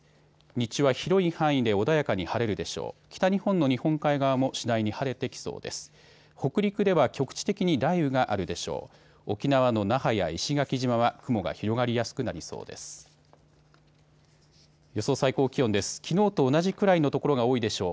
日中は広い範囲で穏やかに晴れるでしょう。